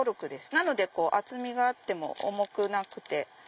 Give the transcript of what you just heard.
なので厚みがあっても重くなくて。